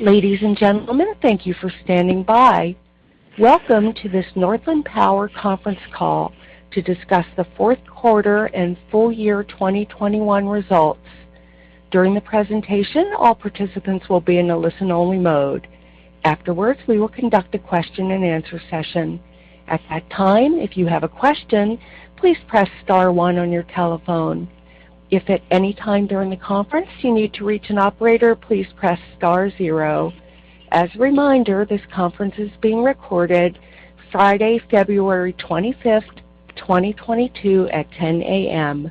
Ladies and gentlemen, thank you for standing by. Welcome to this Northland Power conference call to discuss the fourth quarter and full year 2021 results. During the presentation, all participants will be in a listen-only mode. Afterwards, we will conduct a question-and-answer session. At that time, if you have a question, please press star one on your telephone. If at any time during the conference you need to reach an operator, please press star zero. As a reminder, this conference is being recorded Friday, February 25th, 2022 at 10:00 A.M.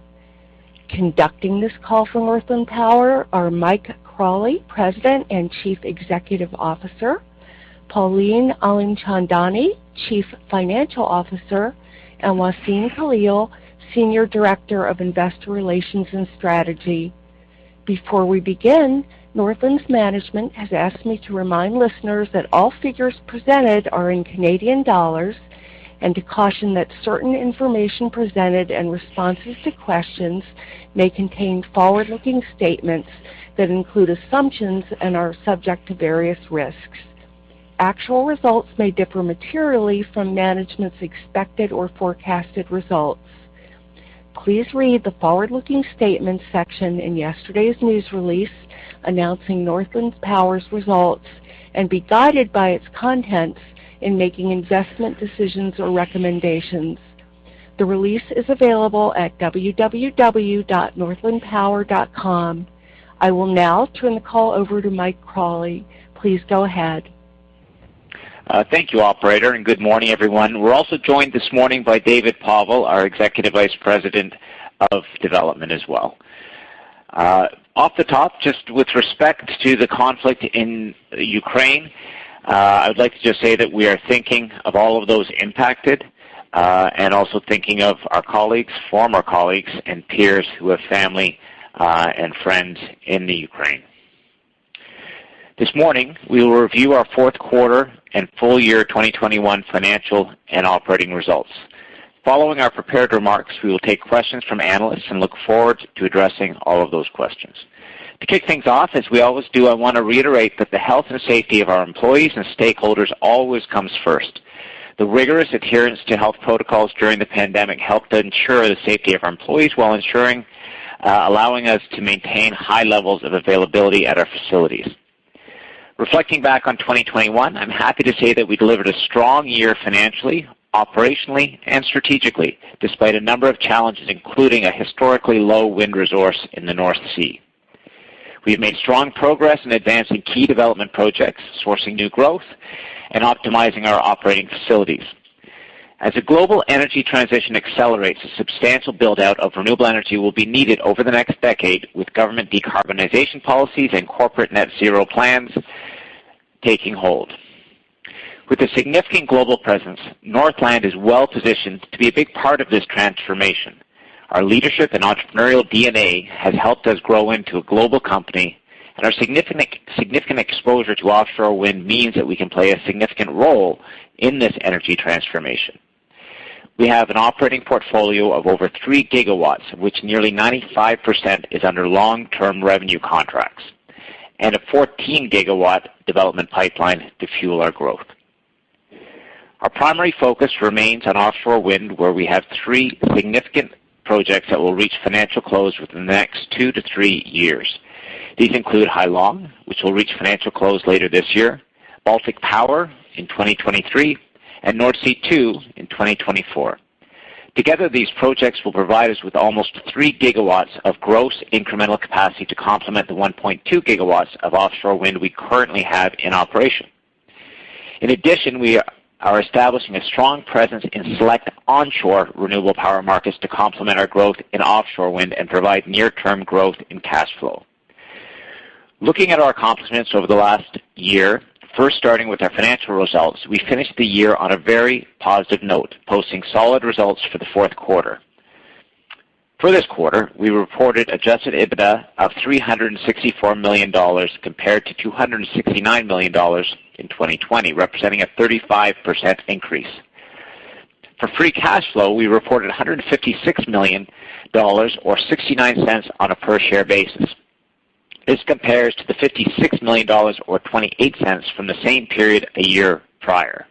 Conducting this call from Northland Power are Mike Crawley, President and Chief Executive Officer, Pauline Alimchandani, Chief Financial Officer, and Wassem Khalil, Senior Director of Investor Relations and Strategy. Before we begin, Northland's management has asked me to remind listeners that all figures presented are in Canadian dollars and to caution that certain information presented and responses to questions may contain forward-looking statements that include assumptions and are subject to various risks. Actual results may differ materially from management's expected or forecasted results. Please read the forward-looking statements section in yesterday's news release announcing Northland Power's results and be guided by its contents in making investment decisions or recommendations. The release is available at www.northlandpower.com. I will now turn the call over to Mike Crawley. Please go ahead. Thank you, operator, and good morning, everyone. We're also joined this morning by David Povall, our Executive Vice President of Development as well. Off the top, just with respect to the conflict in Ukraine, I would like to just say that we are thinking of all of those impacted, and also thinking of our colleagues, former colleagues and peers who have family, and friends in the Ukraine. This morning, we will review our fourth quarter and full year 2021 financial and operating results. Following our prepared remarks, we will take questions from analysts and look forward to addressing all of those questions. To kick things off, as we always do, I want to reiterate that the health and safety of our employees and stakeholders always comes first. The rigorous adherence to health protocols during the pandemic helped ensure the safety of our employees while allowing us to maintain high levels of availability at our facilities. Reflecting back on 2021, I'm happy to say that we delivered a strong year financially, operationally, and strategically, despite a number of challenges, including a historically low wind resource in the North Sea. We have made strong progress in advancing key development projects, sourcing new growth and optimizing our operating facilities. As the global energy transition accelerates, a substantial build-out of renewable energy will be needed over the next decade, with government decarbonization policies and corporate net zero plans taking hold. With a significant global presence, Northland is well-positioned to be a big part of this transformation. Our leadership and entrepreneurial DNA has helped us grow into a global company, and our significant exposure to offshore wind means that we can play a significant role in this energy transformation. We have an operating portfolio of over 3 GW, of which nearly 95% is under long-term revenue contracts, and a 14 GW development pipeline to fuel our growth. Our primary focus remains on offshore wind, where we have three significant projects that will reach financial close within the next two to three years. These include Hai Long, which will reach financial close later this year, Baltic Power in 2023, and Nordsee Two in 2024. Together, these projects will provide us with almost 3 GW of gross incremental capacity to complement the 1.2 GW of offshore wind we currently have in operation. In addition, we are establishing a strong presence in select onshore renewable power markets to complement our growth in offshore wind and provide near-term growth in cash flow. Looking at our accomplishments over the last year, first starting with our financial results, we finished the year on a very positive note, posting solid results for the fourth quarter. For this quarter, we reported adjusted EBITDA of 364 million dollars compared to 269 million dollars in 2020, representing a 35% increase. For free cash flow, we reported 156 million dollars or 0.69 on a per-share basis. This compares to 56 million dollars or 0.28 from the same period a year prior.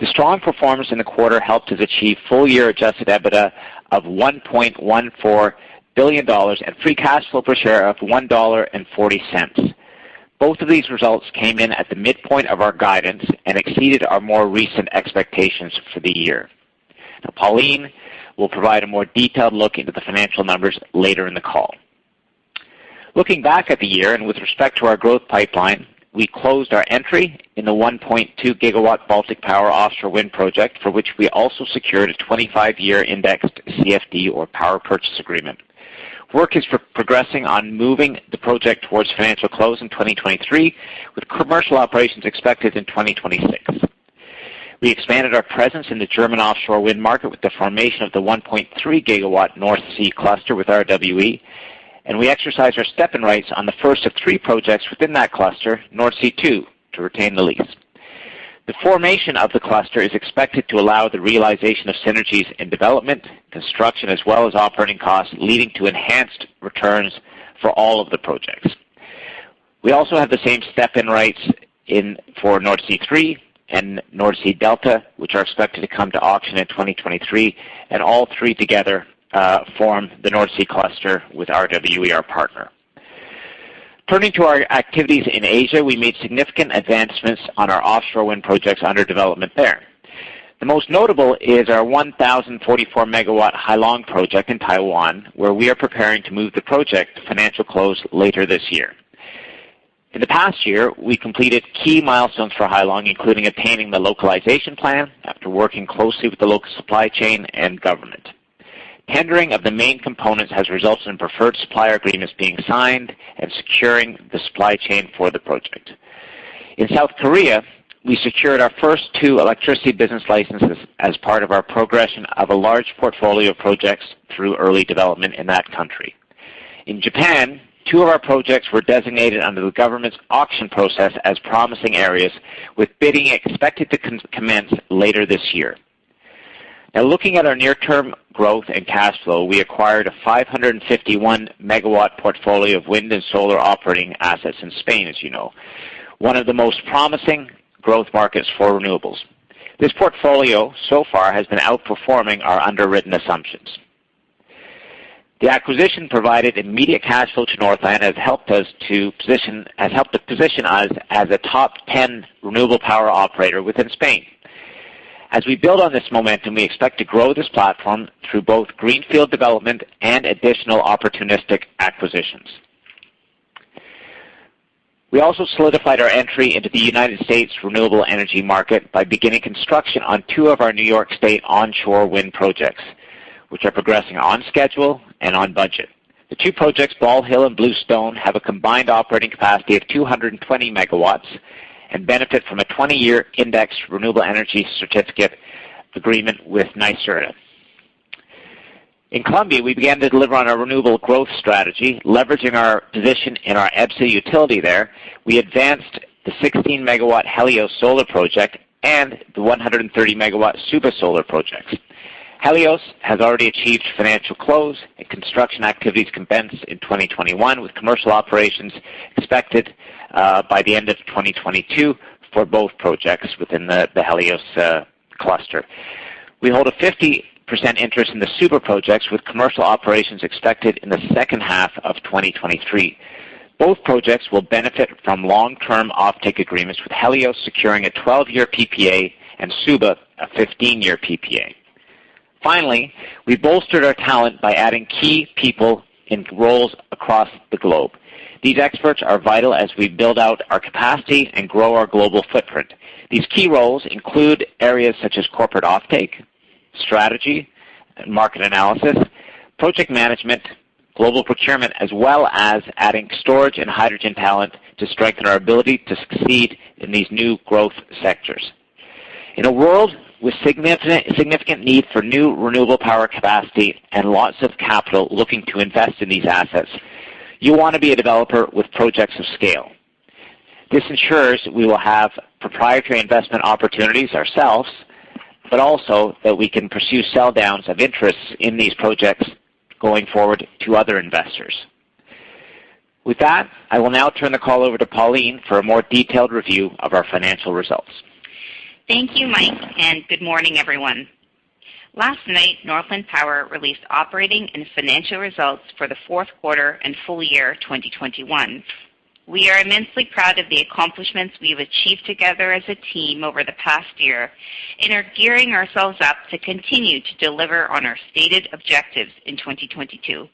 The strong performance in the quarter helped us achieve full-year adjusted EBITDA of 1.14 billion dollars and free cash flow per share of 1.40 dollar. Both of these results came in at the midpoint of our guidance and exceeded our more recent expectations for the year. Pauline will provide a more detailed look into the financial numbers later in the call. Looking back at the year and with respect to our growth pipeline, we closed our entry in the 1.2 GW Baltic Power offshore wind project, for which we also secured a 25-year indexed CFD or power purchase agreement. Work is progressing on moving the project towards financial close in 2023, with commercial operations expected in 2026. We expanded our presence in the German offshore wind market with the formation of the 1.3 GW North Sea Cluster with RWE, and we exercised our step-in rights on the first of three projects within that cluster, Nordsee Two, to retain the lease. The formation of the cluster is expected to allow the realization of synergies in development, construction, as well as operating costs, leading to enhanced returns for all of the projects. We also have the same step-in rights in for Nordsee Three and Delta Nordsee, which are expected to come to auction in 2023, and all three together form the North Sea Cluster with our RWE partner. Turning to our activities in Asia, we made significant advancements on our offshore wind projects under development there. The most notable is our 1,044 MW Hai Long project in Taiwan, where we are preparing to move the project to financial close later this year. In the past year, we completed key milestones for Hai Long, including obtaining the localization plan after working closely with the local supply chain and government. Tendering of the main components has resulted in preferred supplier agreements being signed and securing the supply chain for the project. In South Korea, we secured our first two electricity business licenses as part of our progression of a large portfolio of projects through early development in that country. In Japan, two of our projects were designated under the government's auction process as promising areas, with bidding expected to commence later this year. Now looking at our near-term growth and cash flow, we acquired a 551 MW portfolio of wind and solar operating assets in Spain, as you know, one of the most promising growth markets for renewables. This portfolio so far has been outperforming our underwritten assumptions. The acquisition provided immediate cash flow to Northland and has helped to position us as a top 10 renewable power operator within Spain. As we build on this momentum, we expect to grow this platform through both greenfield development and additional opportunistic acquisitions. We also solidified our entry into the United States renewable energy market by beginning construction on two of our New York State onshore wind projects, which are progressing on schedule and on budget. The two projects, Ball Hill and Bluestone, have a combined operating capacity of 220 MW and benefit from a 20-year indexed renewable energy certificate agreement with NYSERDA. In Colombia, we began to deliver on our renewable growth strategy, leveraging our position in our EBSA utility there. We advanced the 16 MW Helios solar project and the 130 MW Suba solar projects. Helios has already achieved financial close, and construction activities commenced in 2021, with commercial operations expected by the end of 2022 for both projects within the Helios cluster. We hold a 50% interest in the Suba projects, with commercial operations expected in the second half of 2023. Both projects will benefit from long-term offtake agreements, with Helios securing a 12-year PPA and Suba a 15-year PPA. Finally, we bolstered our talent by adding key people in roles across the globe. These experts are vital as we build out our capacity and grow our global footprint. These key roles include areas such as corporate offtake, strategy and market analysis, project management, global procurement, as well as adding storage and hydrogen talent to strengthen our ability to succeed in these new growth sectors. In a world with significant need for new renewable power capacity and lots of capital looking to invest in these assets, you want to be a developer with projects of scale. This ensures we will have proprietary investment opportunities ourselves, but also that we can pursue sell downs of interests in these projects going forward to other investors. With that, I will now turn the call over to Pauline for a more detailed review of our financial results. Thank you, Mike, and good morning, everyone. Last night, Northland Power released operating and financial results for the fourth quarter and full year 2021. We are immensely proud of the accomplishments we have achieved together as a team over the past year and are gearing ourselves up to continue to deliver on our stated objectives in 2022.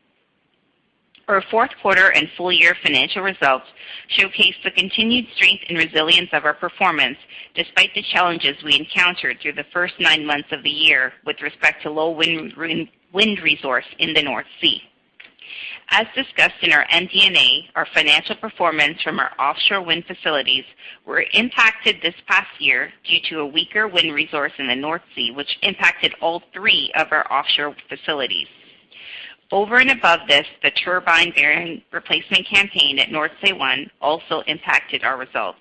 Our fourth quarter and full year financial results showcase the continued strength and resilience of our performance despite the challenges we encountered through the first nine months of the year with respect to low wind resource in the North Sea. As discussed in our MD&A, our financial performance from our offshore wind facilities were impacted this past year due to a weaker wind resource in the North Sea, which impacted all three of our offshore facilities. Over and above this, the turbine bearing replacement campaign at Nordsee One also impacted our results.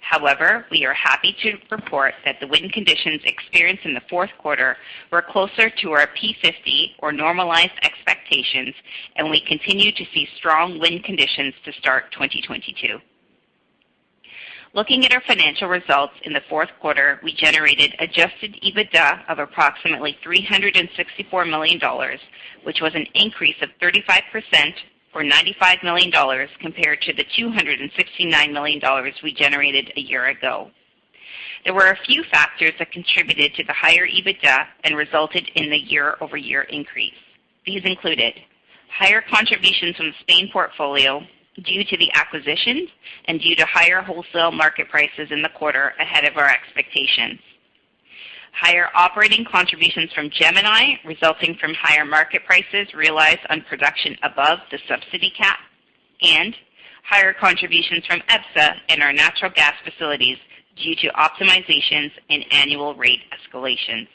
However, we are happy to report that the wind conditions experienced in the fourth quarter were closer to our P50 or normalized expectations, and we continue to see strong wind conditions to start 2022. Looking at our financial results in the fourth quarter, we generated adjusted EBITDA of approximately 364 million dollars, which was an increase of 35% or 95 million dollars compared to the 269 million dollars we generated a year ago. There were a few factors that contributed to the higher EBITDA and resulted in the year-over-year increase. These included higher contributions from the Spain portfolio due to the acquisition and due to higher wholesale market prices in the quarter ahead of our expectations, higher operating contributions from Gemini resulting from higher market prices realized on production above the subsidy cap, and higher contributions from EBSA and our natural gas facilities due to optimizations and annual rate escalations.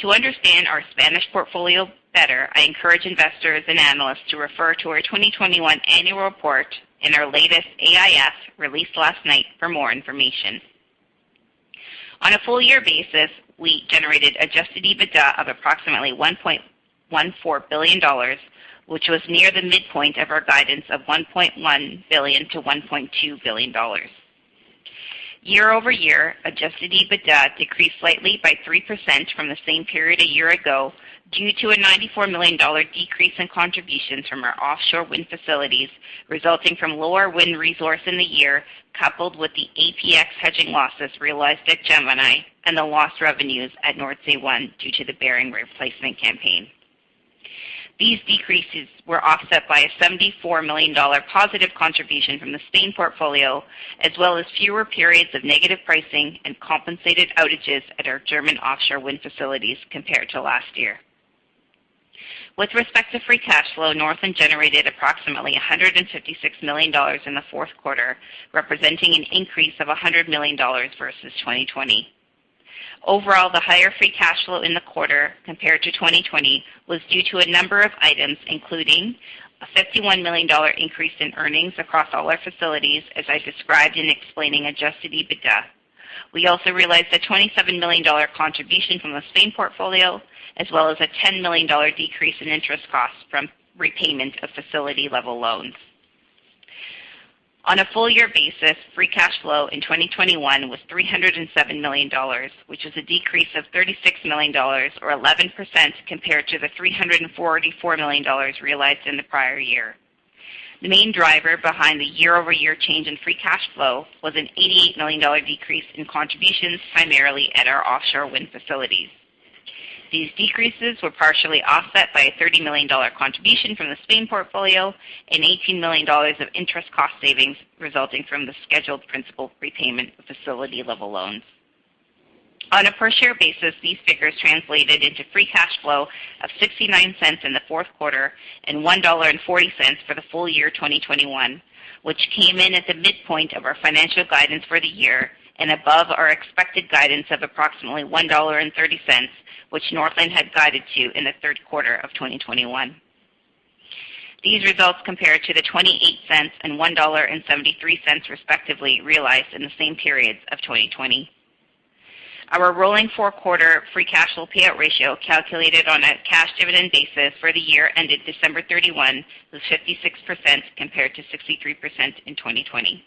To understand our Spanish portfolio better, I encourage investors and analysts to refer to our 2021 annual report and our latest AIF, released last night, for more information. On a full-year basis, we generated adjusted EBITDA of approximately 1.14 billion dollars, which was near the midpoint of our guidance of 1.1 billion-1.2 billion dollars. Year-over-year, adjusted EBITDA decreased slightly by 3% from the same period a year ago due to a 94 million dollar decrease in contributions from our offshore wind facilities, resulting from lower wind resource in the year, coupled with the APX hedging losses realized at Gemini and the lost revenues at Nordsee One due to the bearing replacement campaign. These decreases were offset by a 74 million dollar positive contribution from the Spain portfolio, as well as fewer periods of negative pricing and compensated outages at our German offshore wind facilities compared to last year. With respect to free cash flow, Northland generated approximately 156 million dollars in the fourth quarter, representing an increase of 100 million dollars versus 2020. Overall, the higher free cash flow in the quarter compared to 2020 was due to a number of items, including a 51 million dollar increase in earnings across all our facilities, as I described in explaining adjusted EBITDA. We also realized a 27 million dollar contribution from the Spain portfolio, as well as a 10 million dollar decrease in interest costs from repayment of facility-level loans. On a full-year basis, free cash flow in 2021 was 307 million dollars, which is a decrease of 36 million dollars or 11% compared to the 344 million dollars realized in the prior year. The main driver behind the year-over-year change in free cash flow was a 88 million dollar decrease in contributions primarily at our offshore wind facilities. These decreases were partially offset by a 30 million dollar contribution from the Spain portfolio and 18 million dollars of interest cost savings resulting from the scheduled principal prepayment of facility-level loans. On a per-share basis, these figures translated into free cash flow of 0.69 in the fourth quarter and 1.40 dollar for the full year 2021, which came in at the midpoint of our financial guidance for the year and above our expected guidance of approximately 1.30 dollar, which Northland had guided to in the third quarter of 2021. These results compared to 0.28 and 1.73 dollar, respectively, realized in the same periods of 2020. Our rolling four-quarter free cash flow payout ratio, calculated on a cash dividend basis for the year ended December 31, was 56% compared to 63% in 2020.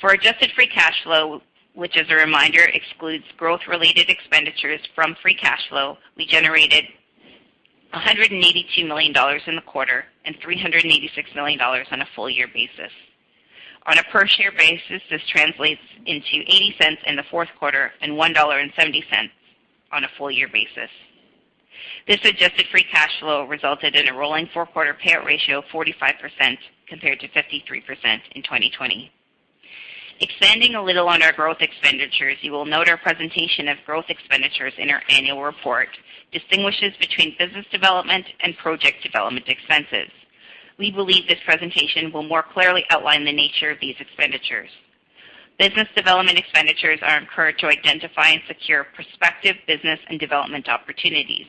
For adjusted free cash flow, which as a reminder excludes growth-related expenditures from free cash flow, we generated 182 million dollars in the quarter and 386 million dollars on a full-year basis. On a per-share basis, this translates into 0.80 in the fourth quarter and 1.70 dollar on a full-year basis. This adjusted free cash flow resulted in a rolling four-quarter payout ratio of 45% compared to 53% in 2020. Expanding a little on our growth expenditures, you will note our presentation of growth expenditures in our annual report distinguishes between business development and project development expenses. We believe this presentation will more clearly outline the nature of these expenditures. Business development expenditures are incurred to identify and secure prospective business and development opportunities.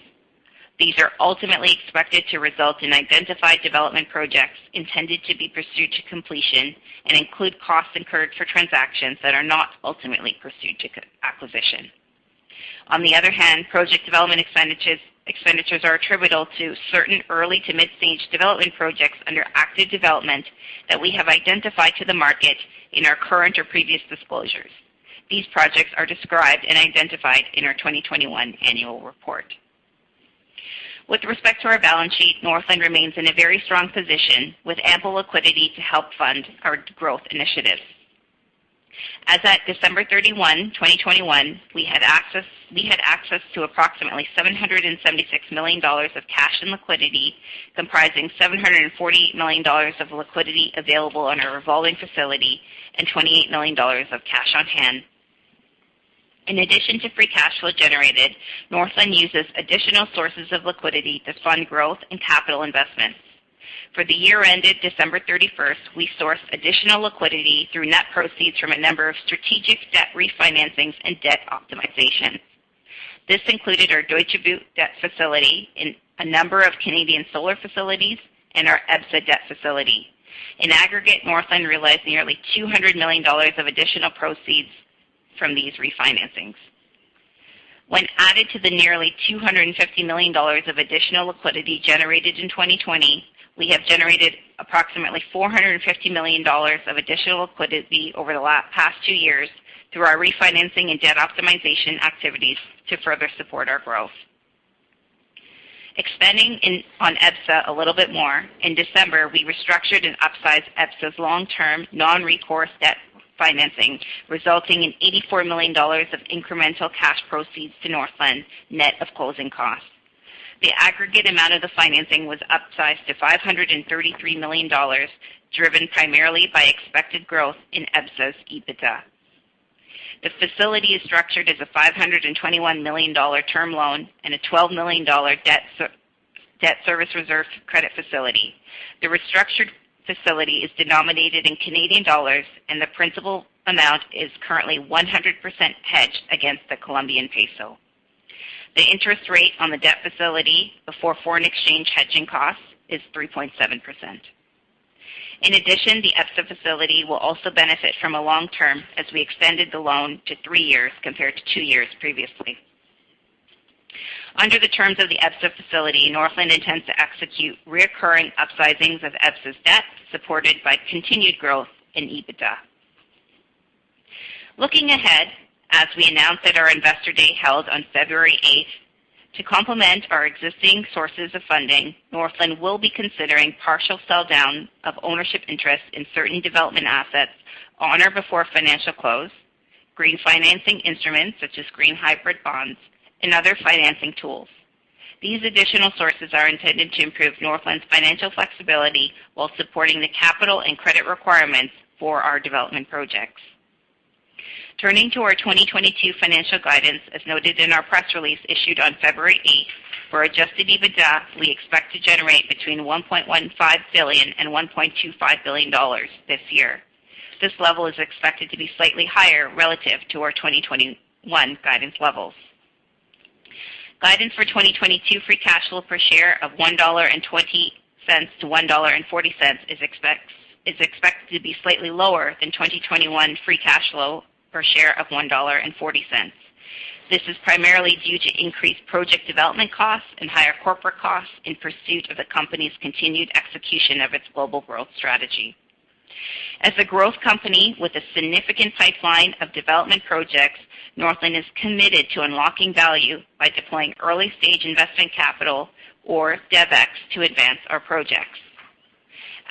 These are ultimately expected to result in identified development projects intended to be pursued to completion and include costs incurred for transactions that are not ultimately pursued. On the other hand, project development expenditures are attributable to certain early to mid-stage development projects under active development that we have identified to the market in our current or previous disclosures. These projects are described and identified in our 2021 annual report. With respect to our balance sheet, Northland remains in a very strong position with ample liquidity to help fund our growth initiatives. As at December 31, 2021, we had access to approximately 776 million dollars of cash and liquidity, comprising 748 million dollars of liquidity available on our revolving facility and 28 million dollars of cash on hand. In addition to free cash flow generated, Northland uses additional sources of liquidity to fund growth and capital investments. For the year ended December 31st, we sourced additional liquidity through net proceeds from a number of strategic debt refinancings and debt optimization. This included our Deutsche Bank debt facility in a number of Canadian Solar facilities and our EBSA debt facility. In aggregate, Northland realized nearly 200 million dollars of additional proceeds from these refinancings. When added to the nearly 250 million dollars of additional liquidity generated in 2020, we have generated approximately 400 million dollars of additional liquidity over the past two years through our refinancing and debt optimization activities to further support our growth. Expanding on EBSA a little bit more, in December, we restructured and upsized EBSA's long-term, non-recourse debt financing, resulting in 84 million dollars of incremental cash proceeds to Northland, net of closing costs. The aggregate amount of the financing was upsized to 533 million dollars, driven primarily by expected growth in EBSA's EBITDA. The facility is structured as a 521 million dollar term loan and a 12 million dollar debt service reserve credit facility. The restructured facility is denominated in Canadian dollars, and the principal amount is currently 100% hedged against the Colombian peso. The interest rate on the debt facility before foreign exchange hedging costs is 3.7%. In addition, the EBSA facility will also benefit from a long term as we extended the loan to three years compared to two years previously. Under the terms of the EBSA facility, Northland intends to execute recurring upsizings of EBSA's debt, supported by continued growth in EBITDA. Looking ahead, as we announced at our Investor Day held on February 8, to complement our existing sources of funding, Northland will be considering partial sell down of ownership interest in certain development assets on or before financial close, green financing instruments such as green hybrid bonds, and other financing tools. These additional sources are intended to improve Northland's financial flexibility while supporting the capital and credit requirements for our development projects. Turning to our 2022 financial guidance, as noted in our press release issued on February 8, for adjusted EBITDA, we expect to generate between 1.15 billion and 1.25 billion dollars this year. This level is expected to be slightly higher relative to our 2021 guidance levels. Guidance for 2022 free cash flow per share of 1.20-1.40 dollar is expected to be slightly lower than 2021 free cash flow per share of 1.40 dollar. This is primarily due to increased project development costs and higher corporate costs in pursuit of the company's continued execution of its global growth strategy. As a growth company with a significant pipeline of development projects, Northland is committed to unlocking value by deploying early-stage investment capital or DevEx to advance our projects.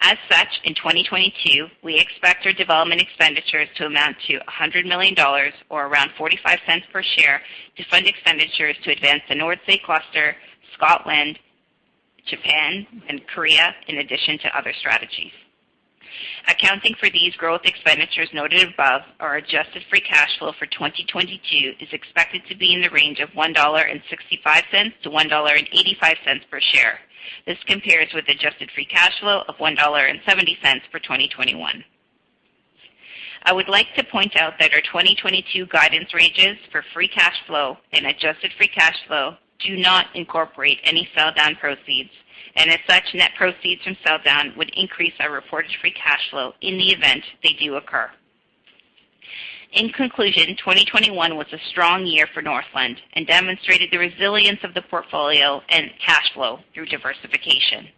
As such, in 2022, we expect our development expenditures to amount to 100 million dollars or around 0.45 per share to fund expenditures to advance the North Sea Cluster, Scotland, Japan, and Korea, in addition to other strategies. Accounting for these growth expenditures noted above, our Adjusted Free Cash Flow for 2022 is expected to be in the range of 1.65-1.85 dollar per share. This compares with Adjusted Free Cash Flow of 1.70 dollar for 2021. I would like to point out that our 2022 guidance ranges for free cash flow and adjusted free cash flow do not incorporate any sell down proceeds, and as such, net proceeds from sell down would increase our reported free cash flow in the event they do occur. In conclusion, 2021 was a strong year for Northland and demonstrated the resilience of the portfolio and cash flow through diversification.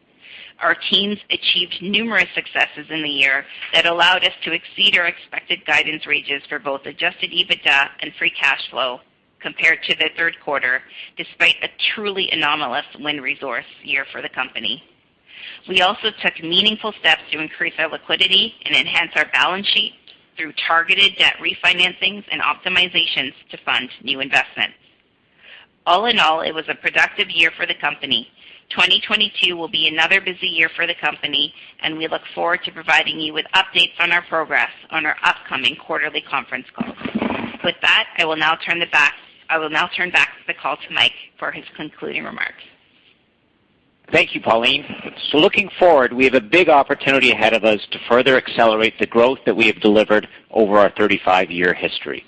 Our teams achieved numerous successes in the year that allowed us to exceed our expected guidance ranges for both adjusted EBITDA and free cash flow compared to the third quarter, despite a truly anomalous wind resource year for the company. We also took meaningful steps to increase our liquidity and enhance our balance sheet through targeted debt refinancings and optimizations to fund new investments. All in all, it was a productive year for the company. 2022 will be another busy year for the company, and we look forward to providing you with updates on our progress on our upcoming quarterly conference calls. With that, I will now turn back the call to Mike for his concluding remarks. Thank you, Pauline. Looking forward, we have a big opportunity ahead of us to further accelerate the growth that we have delivered over our 35-year history.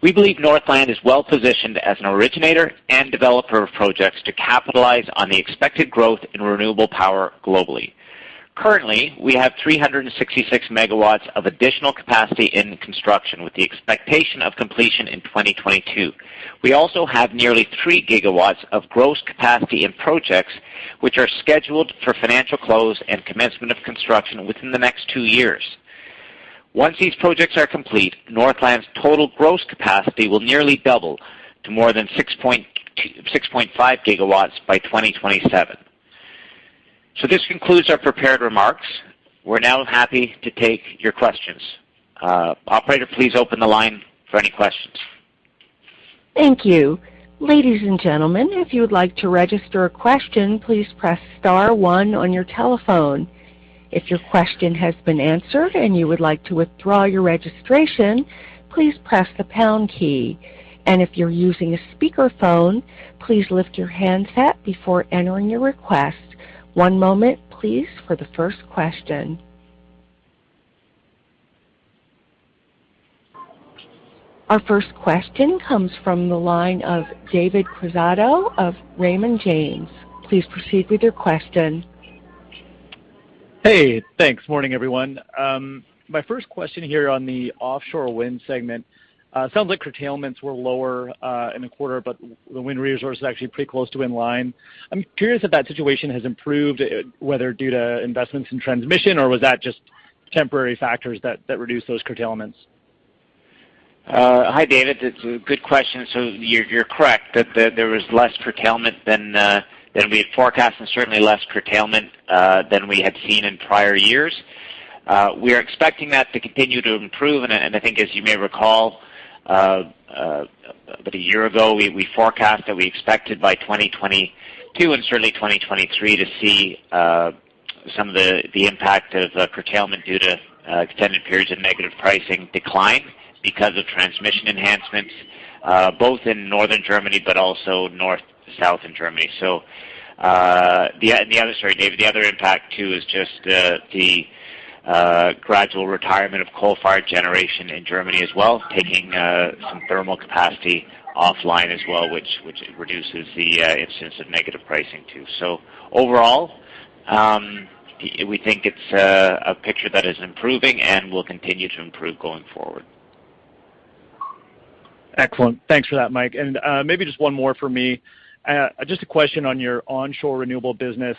We believe Northland is well-positioned as an originator and developer of projects to capitalize on the expected growth in renewable power globally. Currently, we have 366 MW of additional capacity in construction, with the expectation of completion in 2022. We also have nearly 3 GW of gross capacity in projects, which are scheduled for financial close and commencement of construction within the next two years. Once these projects are complete, Northland's total gross capacity will nearly double to more than 6.5 GW by 2027. This concludes our prepared remarks. We're now happy to take your questions. Operator, please open the line for any questions. Thank you. Ladies and gentlemen, if you would like to register a question, please press star one on your telephone. If your question has been answered and you would like to withdraw your registration, please press the pound key. If you're using a speakerphone, please lift your handset before entering your request. One moment please for the first question. Our first question comes from the line of David Quezada of Raymond James. Please proceed with your question. Hey, thanks. Morning, everyone. My first question here on the offshore wind segment. Sounds like curtailments were lower in the quarter, but the wind resource is actually pretty close to in line. I'm curious if that situation has improved, whether due to investments in transmission or was that just temporary factors that reduced those curtailments? Hi, David. It's a good question. You're correct that there was less curtailment than we had forecast and certainly less curtailment than we had seen in prior years. We are expecting that to continue to improve. I think as you may recall, about a year ago, we forecast that we expected by 2022 and certainly 2023 to see some of the impact of curtailment due to extended periods of negative pricing decline because of transmission enhancements, both in northern Germany but also north to south in Germany. So, the other impact too is just the gradual retirement of coal-fired generation in Germany as well, taking some thermal capacity offline as well, which reduces the instance of negative pricing too. Overall, we think it's a picture that is improving and will continue to improve going forward. Excellent. Thanks for that, Mike. Maybe just one more for me. Just a question on your onshore renewable business,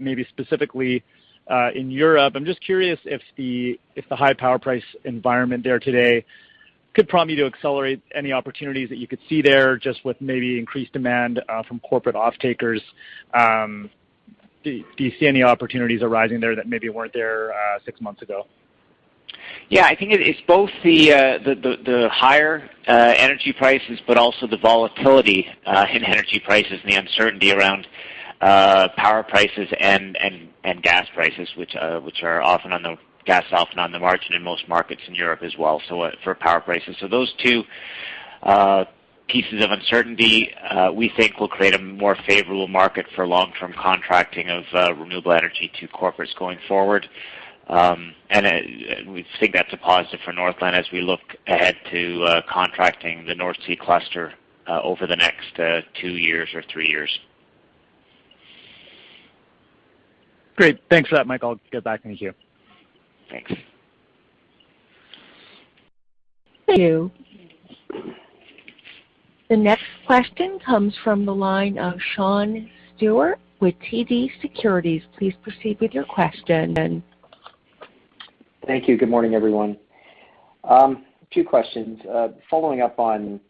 maybe specifically, in Europe. I'm just curious if the high power price environment there today could prompt you to accelerate any opportunities that you could see there just with maybe increased demand from corporate off-takers. Do you see any opportunities arising there that maybe weren't there six months ago? Yeah. I think it's both the higher energy prices, but also the volatility in energy prices and the uncertainty around power prices and gas prices, which are often on the margin in most markets in Europe as well, so for power prices. Those two pieces of uncertainty we think will create a more favorable market for long-term contracting of renewable energy to corporates going forward. We think that's a positive for Northland as we look ahead to contracting the North Sea Cluster over the next two years or three years. Great. Thanks for that, Mike. I'll give it back to you. Thanks. Thank you. The next question comes from the line of Sean Steuart with TD Securities. Please proceed with your question. Thank you. Good morning, everyone. Two questions. Following up on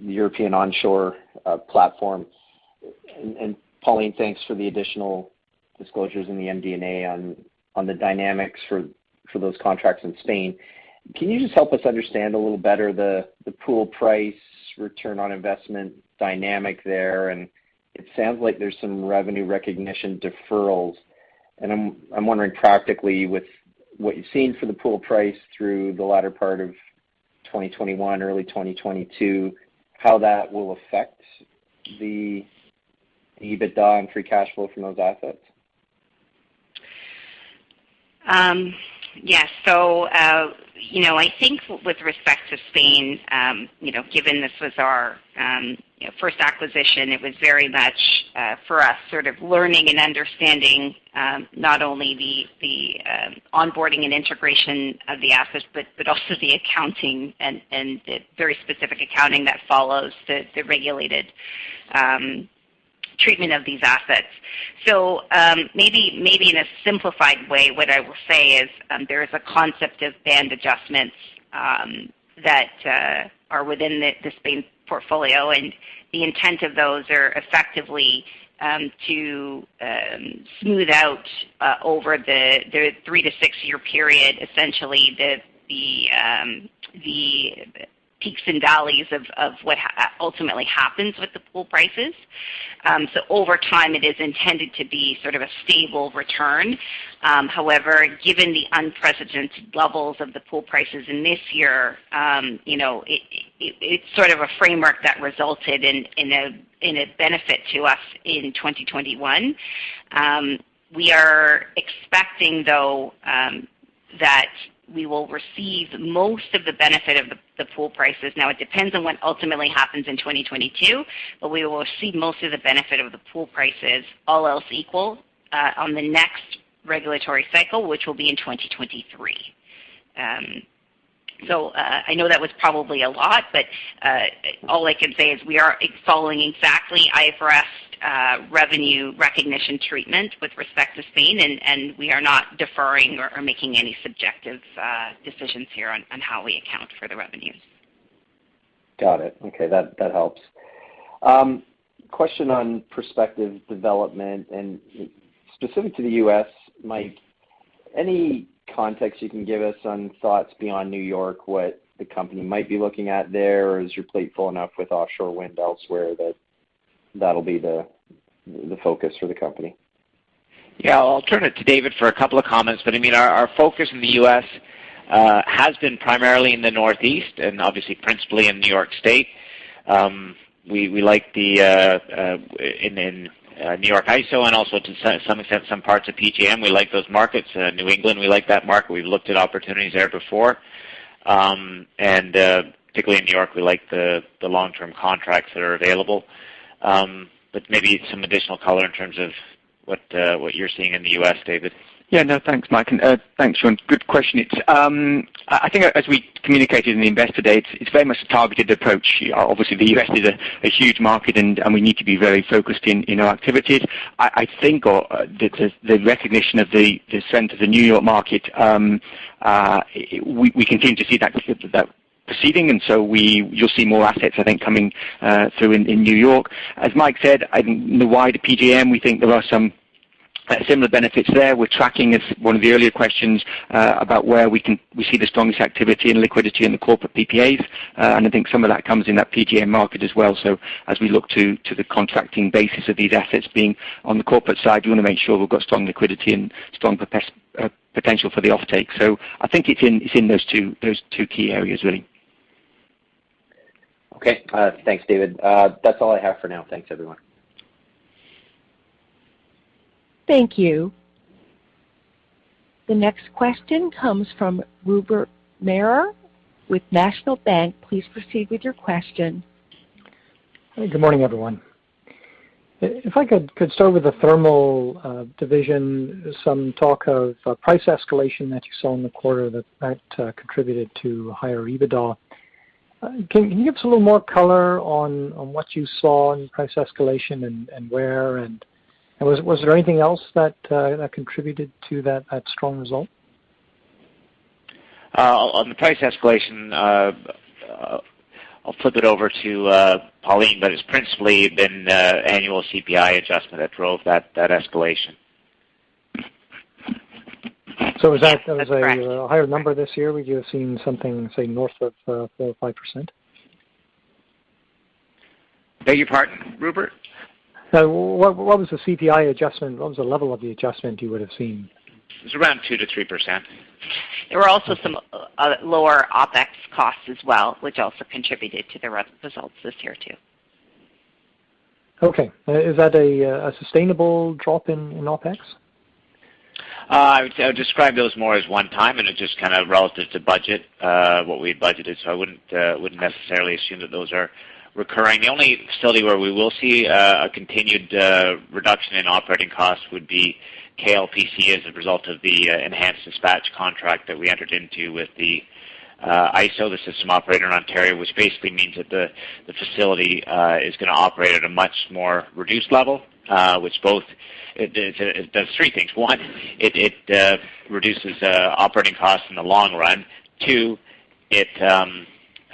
European onshore platform. Pauline, thanks for the additional disclosures in the MD&A on the dynamics for those contracts in Spain. Can you just help us understand a little better the pool price return on investment dynamic there? It sounds like there's some revenue recognition deferrals. I'm wondering practically with what you've seen for the pool price through the latter part of 2021, early 2022, how that will affect the EBITDA and free cash flow from those assets. Yes. You know, I think with respect to Spain, you know, given this was our, you know, first acquisition, it was very much, for us sort of learning and understanding, not only the onboarding and integration of the assets, but also the accounting and the very specific accounting that follows the regulated treatment of these assets. Maybe in a simplified way, what I will say is, there is a concept of band adjustments, that are within the Spain portfolio, and the intent of those are effectively, to smooth out, over the three to six year period, essentially the peaks and valleys of what ultimately happens with the pool prices. Over time, it is intended to be sort of a stable return. However, given the unprecedented levels of the pool prices in this year, you know, it's sort of a framework that resulted in a benefit to us in 2021. We are expecting, though, that we will receive most of the benefit of the pool prices. Now, it depends on what ultimately happens in 2022, but we will see most of the benefit of the pool prices, all else equal, on the next regulatory cycle, which will be in 2023. I know that was probably a lot, but all I can say is we are following exactly IFRS revenue recognition treatment with respect to Spain, and we are not deferring or making any subjective decisions here on how we account for the revenues. Got it. Okay. That helps. Question on prospective development and specific to the U.S., Mike, any context you can give us on thoughts beyond New York, what the company might be looking at there? Or is your plate full enough with offshore wind elsewhere that that'll be the focus for the company? Yeah. I'll turn it to David for a couple of comments. I mean, our focus in the U.S. has been primarily in the Northeast and obviously principally in New York State. We like in New York ISO and also to some extent some parts of PJM. We like those markets. New England, we like that market. We've looked at opportunities there before. Particularly in New York, we like the long-term contracts that are available. Maybe some additional color in terms of what you're seeing in the U.S., David. Yeah. No, thanks, Mike. Thanks, Sean. Good question. I think as we communicated in the Investor Day, it's very much a targeted approach. Obviously, the U.S. is a huge market, and we need to be very focused in our activities. I think the recognition of the strength in the New York market. We continue to see that proceeding, and so you'll see more assets, I think, coming through in New York. As Mike said, I think in the wider PJM, we think there are some similar benefits there. We're tracking, as one of the earlier questions, about where we see the strongest activity and liquidity in the corporate PPAs. And I think some of that comes in that PPA market as well. As we look to the contracting basis of these assets being on the corporate side, we wanna make sure we've got strong liquidity and strong potential for the offtake. I think it's in those two key areas, really. Okay. Thanks, David. That's all I have for now. Thanks, everyone. Thank you. The next question comes from Rupert Merer with National Bank. Please proceed with your question. Good morning, everyone. If I could start with the thermal division, some talk of price escalation that you saw in the quarter that contributed to higher EBITDA. Can you give us a little more color on what you saw in price escalation and where, and was there anything else that contributed to that strong result? On the price escalation, I'll flip it over to Pauline, but it's principally been annual CPI adjustment that drove that escalation. Was that- That's correct. a higher number this year? Would you have seen something, say, north of 4% or 5%? Beg your pardon, Rupert? What was the CPI adjustment? What was the level of the adjustment you would have seen? It's around 2%-3%. There were also some lower OPEX costs as well, which also contributed to the results this year too. Okay. Is that a sustainable drop in OPEX? I would describe those more as one time, and it's just kind of relative to budget, what we had budgeted. I wouldn't necessarily assume that those are recurring. The only facility where we will see a continued reduction in operating costs would be KLPC as a result of the enhanced dispatch contract that we entered into with the IESO, the system operator in Ontario, which basically means that the facility is gonna operate at a much more reduced level, which it does three things. One, it reduces operating costs in the long run. Two, it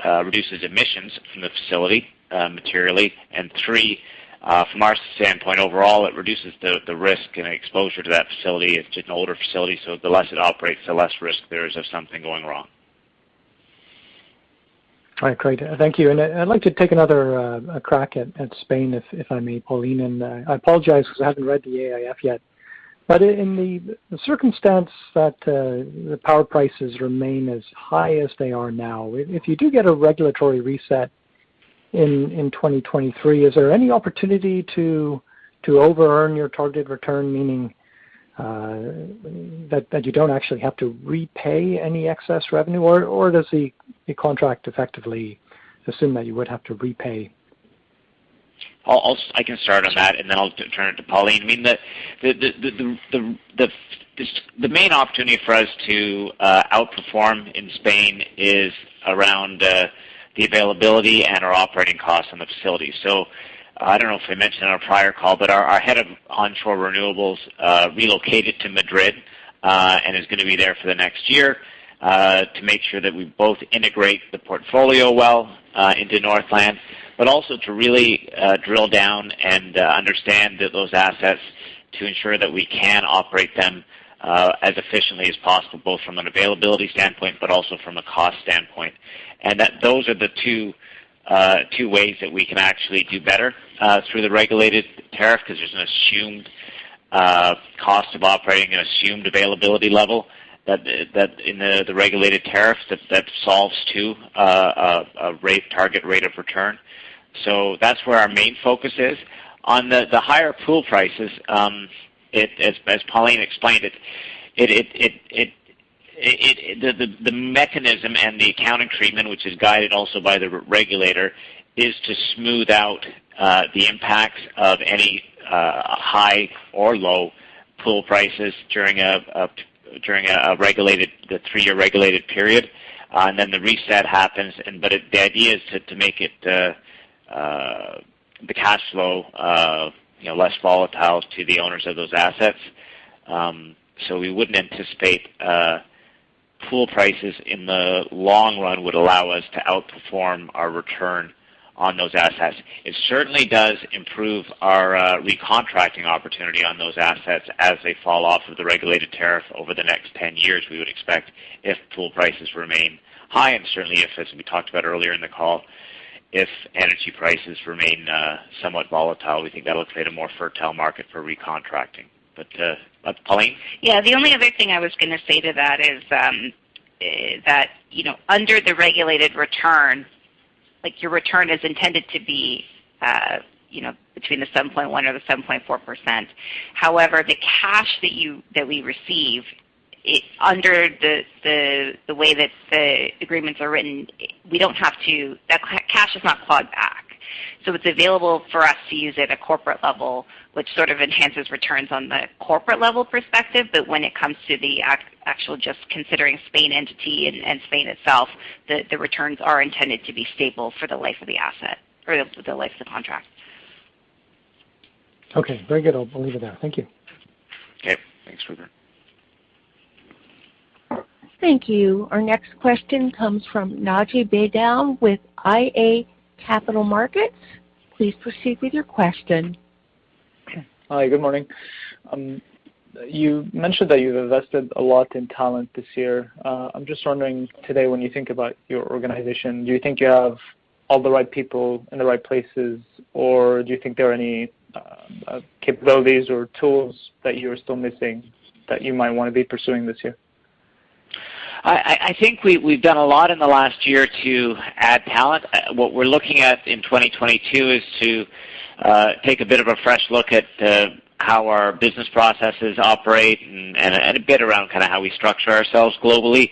reduces emissions from the facility materially. And three, from our standpoint overall, it reduces the risk and exposure to that facility. It's an older facility, so the less it operates, the less risk there is of something going wrong. All right, great. Thank you. I'd like to take another crack at Spain, if I may, Pauline. I apologize because I haven't read the AIF yet. In the circumstance that the power prices remain as high as they are now, if you do get a regulatory reset in 2023, is there any opportunity to overearn your target return? Meaning that you don't actually have to repay any excess revenue, or does the contract effectively assume that you would have to repay? I can start on that, and then I'll turn it to Pauline. I mean, the main opportunity for us to outperform in Spain is around the availability and our operating costs on the facility. I don't know if I mentioned on a prior call, but our head of onshore renewables relocated to Madrid and is gonna be there for the next year to make sure that we both integrate the portfolio well into Northland, but also to really drill down and understand those assets to ensure that we can operate them as efficiently as possible, both from an availability standpoint, but also from a cost standpoint. that those are the two ways that we can actually do better through the regulated tariff, 'cause there's an assumed cost of operating, an assumed availability level that in the regulated tariffs that solves to a rate target rate of return. That's where our main focus is. On the higher pool prices, as Pauline explained, the mechanism and the accounting treatment, which is guided also by the regulator, is to smooth out the impacts of any high or low pool prices during the three-year regulated period. Then the reset happens, but the idea is to make the cash flow, you know, less volatile to the owners of those assets. We wouldn't anticipate pool prices in the long run would allow us to outperform our return on those assets. It certainly does improve our recontracting opportunity on those assets as they fall off of the regulated tariff over the next 10 years. We would expect if pool prices remain high. Certainly if, as we talked about earlier in the call, if energy prices remain somewhat volatile, we think that'll create a more fertile market for recontracting. Pauline. Yeah. The only other thing I was gonna say to that is, you know, under the regulated return, like your return is intended to be, you know, between 7.1% or 7.4%. However, the cash that we receive under the way that the agreements are written, the cash is not clawed back, so it's available for us to use at a corporate level, which sort of enhances returns on the corporate level perspective. When it comes to the actual just considering Spanish entity and Spain itself, the returns are intended to be stable for the life of the asset or the life of the contract. Okay. Very good. I'll leave it there. Thank you. Okay. Thanks, Rupert. Thank you. Our next question comes from Naji Baydoun with iA Capital Markets. Please proceed with your question. Hi, good morning. You mentioned that you've invested a lot in talent this year. I'm just wondering, today, when you think about your organization, do you think you have all the right people in the right places, or do you think there are any capabilities or tools that you are still missing that you might wanna be pursuing this year? I think we've done a lot in the last year to add talent. What we're looking at in 2022 is to take a bit of a fresh look at how our business processes operate and a bit around kinda how we structure ourselves globally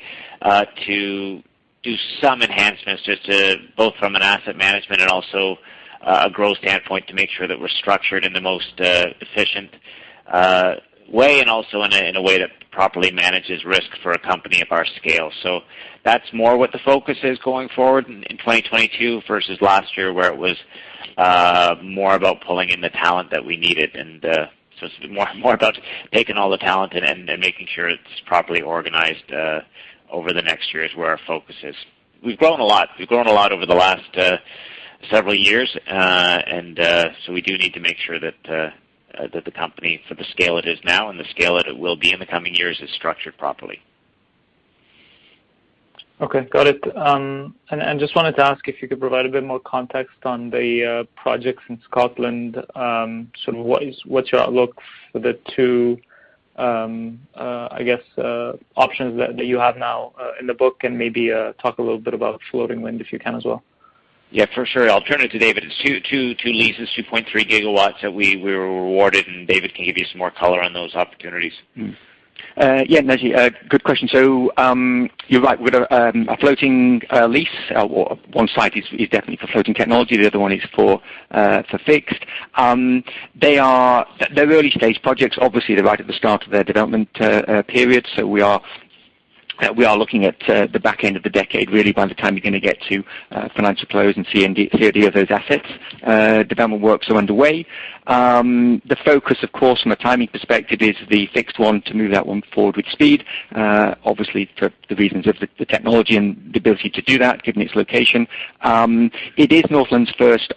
to do some enhancements just to both from an asset management and also a growth standpoint to make sure that we're structured in the most efficient way and also in a way that properly manages risk for a company of our scale. That's more what the focus is going forward in 2022 versus last year, where it was more about pulling in the talent that we needed and so it's more about taking all the talent and making sure it's properly organized over the next year is where our focus is. We've grown a lot over the last several years. We do need to make sure that the company for the scale it is now and the scale that it will be in the coming years is structured properly. Okay, got it. Just wanted to ask if you could provide a bit more context on the projects in Scotland. Sort of what's your outlook for the two options that you have now in the book, and maybe talk a little bit about floating wind, if you can as well. Yeah, for sure. I'll turn it to David. It's two leases, 2.3 GW that we were awarded, and David can give you some more color on those opportunities. Yeah, Naji, good question. You're right. With a floating lease, one site is definitely for floating technology. The other one is for fixed. They are early-stage projects. Obviously, they're right at the start of their development period, so we are looking at the back end of the decade really by the time you're gonna get to financial close and FID and get COD of those assets. Development works are underway. The focus, of course, from a timing perspective is the fixed one to move that one forward with speed, obviously for the reasons of the technology and the ability to do that given its location. It is Northland's first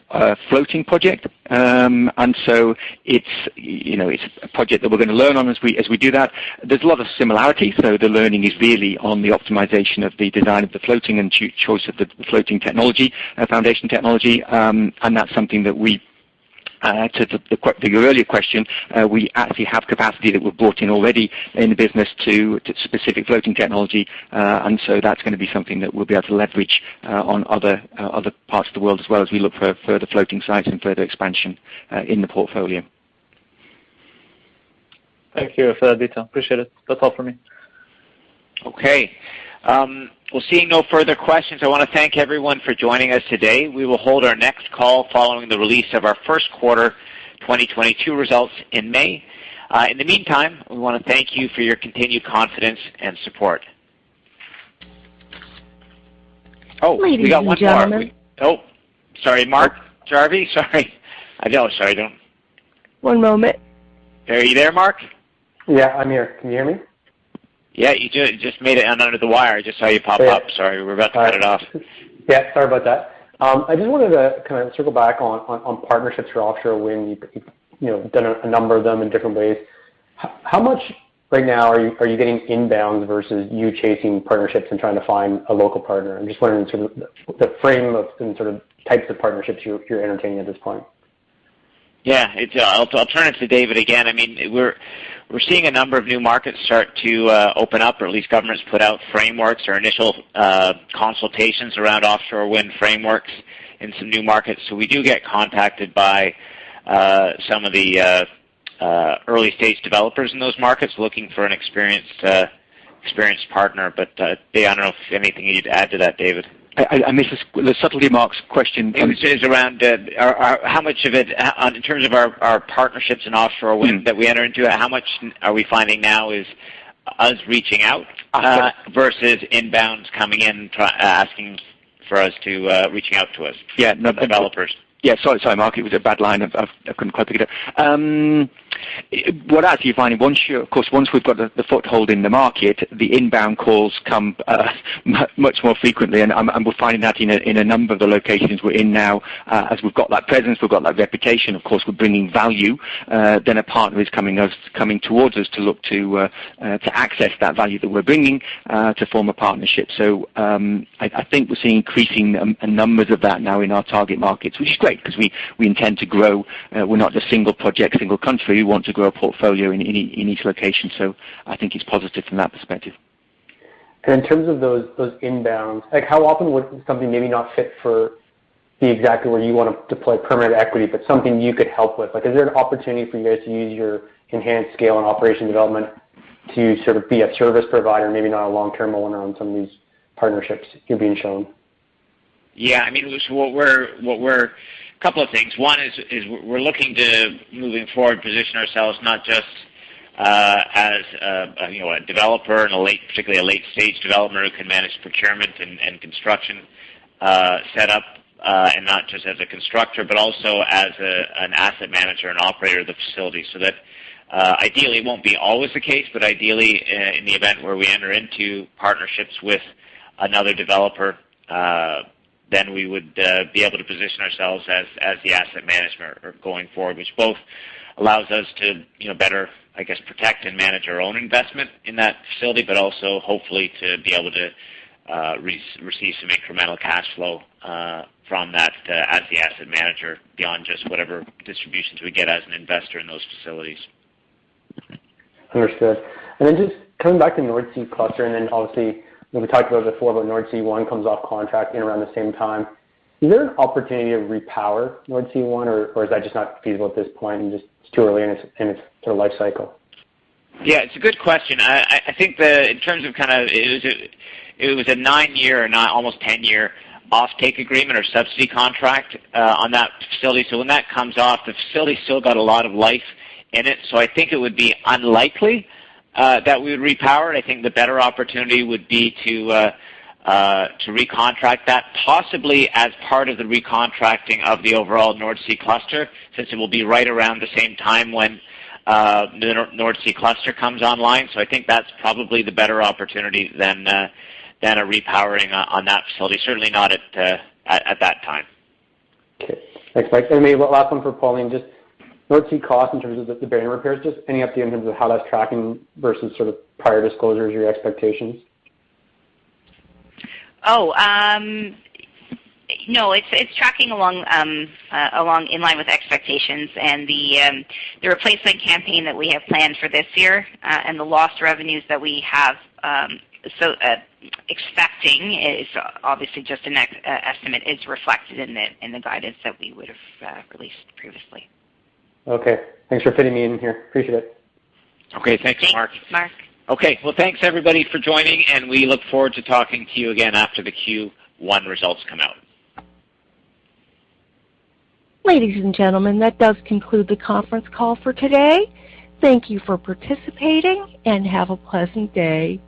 floating project, and so it's, you know, it's a project that we're gonna learn on as we do that. There's a lot of similarities, so the learning is really on the optimization of the design of the floating and choice of the floating technology, foundation technology, and that's something that, to your earlier question, we actually have capacity that we've brought in already in the business to specific floating technology. And so that's gonna be something that we'll be able to leverage on other parts of the world as well as we look for further floating sites and further expansion in the portfolio. Thank you for that detail. Appreciate it. That's all for me. Okay. Well, seeing no further questions, I wanna thank everyone for joining us today. We will hold our next call following the release of our first quarter 2022 results in May. In the meantime, we wanna thank you for your continued confidence and support. We got one more. Ladies and gentlemen. Oh, sorry, Mark Jarvi. Sorry. I know. Sorry. One moment. Are you there, Mark? Yeah, I'm here. Can you hear me? Yeah, you do. Just made it in under the wire. I just saw you pop up. Great. Sorry, we're about to cut it off. Yeah, sorry about that. I just wanted to kinda circle back on partnerships for offshore wind. You've you know done a number of them in different ways. How much right now are you getting inbound versus you chasing partnerships and trying to find a local partner? I'm just learning sort of the frame of and sort of types of partnerships you're entertaining at this point. Yeah. I'll turn it to David again. I mean, we're seeing a number of new markets start to open up, or at least governments put out frameworks or initial consultations around offshore wind frameworks in some new markets. We do get contacted by some of the early-stage developers in those markets looking for an experienced partner. I don't know if anything you'd add to that, David. I missed this. The subtlety of Mark's question. How much of it in terms of our partnerships in offshore wind Mm that we enter into, how much are we finding now is us reaching out versus inbounds coming in asking for us to reaching out to us. Yeah. -developers. Yeah, sorry, Mark. It was a bad line. I couldn't quite pick it up. What actually you're finding, once we've got the foothold in the market, the inbound calls come much more frequently, and we're finding that in a number of the locations we're in now. As we've got that presence, we've got that reputation, of course, we're bringing value, then a partner is coming towards us to look to access that value that we're bringing to form a partnership. I think we're seeing increasing numbers of that now in our target markets, which is great 'cause we intend to grow. We're not a single project, single country. We want to grow a portfolio in any location. I think it's positive from that perspective. In terms of those inbounds, like how often would something maybe not fit to be exactly where you wanna deploy permanent equity, but something you could help with? Like, is there an opportunity for you guys to use your enhanced scale and operational development to sort of be a service provider, maybe not a long-term owner on some of these partnerships you're being shown? Yeah. I mean, it's what we're. Couple of things. One is, we're looking to moving forward, position ourselves not just as a, you know, a developer and particularly a late-stage developer who can manage procurement and construction, set up just as a constructor, but also as an asset manager and operator of the facility. That, ideally, it won't be always the case, but ideally in the event where we enter into partnerships with another developer, then we would be able to position ourselves as the asset manager going forward, which both allows us to, you know, better, I guess, protect and manage our own investment in that facility, but also hopefully to be able to receive some incremental cash flow from that as the asset manager beyond just whatever distributions we get as an investor in those facilities. Understood. Just coming back to North Sea Cluster, and then obviously, when we talked about before about Nordsee One comes off contract in around the same time, is there an opportunity to repower Nordsee One or is that just not feasible at this point and just it's too early in its sort of life cycle? Yeah, it's a good question. I think in terms of it was a nine year or almost 10-year offtake agreement or subsidy contract on that facility. When that comes off, the facility's still got a lot of life in it. I think it would be unlikely that we would repower it. I think the better opportunity would be to recontract that possibly as part of the recontracting of the overall North Sea Cluster, since it will be right around the same time when the North Sea Cluster comes online. I think that's probably the better opportunity than a repowering on that facility. Certainly not at that time. Okay. Thanks, Mike. Maybe one last one for Pauline. Just North Sea cost in terms of the bearing repairs, just any update in terms of how that's tracking versus sort of prior disclosures or your expectations? No, it's tracking along in line with expectations and the replacement campaign that we have planned for this year, and the lost revenues that we have, so expecting is obviously just an estimate is reflected in the guidance that we would have released previously. Okay. Thanks for fitting me in here. Appreciate it. Okay. Thanks, Mark. Thanks, Mark. Okay. Well, thanks everybody for joining, and we look forward to talking to you again after the Q1 results come out. Ladies and gentlemen, that does conclude the conference call for today. Thank you for participating, and have a pleasant day.